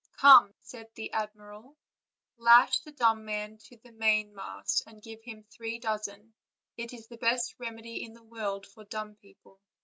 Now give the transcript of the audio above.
"Come," said the admiral, "lash this dumb man to the mainmast, and give him three dozen; it is the best remedy in the world for dumb people."